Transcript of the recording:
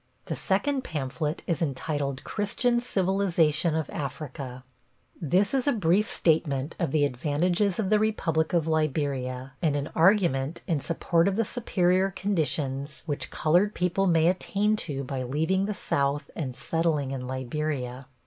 The second pamphlet is entitled Christian Civilization of Africa. This is a brief statement of the advantages of the Republic of Liberia, and an argument in support of the superior conditions which colored people may attain to by leaving the South and settling in Liberia.